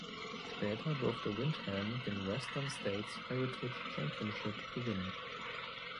Später durfte Windham den "Western States Heritage Championship" gewinnen.